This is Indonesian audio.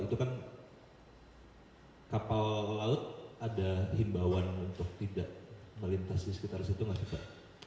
itu kan kapal laut ada himbauan untuk tidak melintasi sekitar situ enggak sih pak